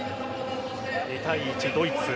２対１、ドイツ。